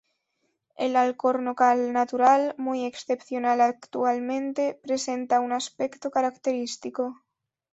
El alcornocal natural, muy excepcional actualmente, presenta un aspecto característico.